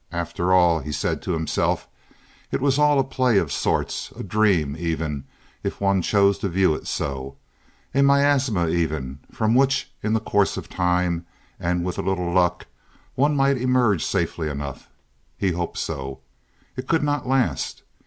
After all, he said to himself, it was all a play of sorts, a dream even, if one chose to view it so, a miasma even, from which, in the course of time and with a little luck one might emerge safely enough. He hoped so. It could not last.